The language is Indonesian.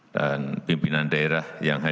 pimpinan daerah yang hadir